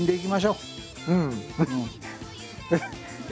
うん！